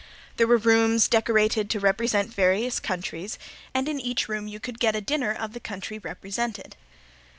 There were rooms decorated to represent various countries and in each room you could get a dinner of the country represented.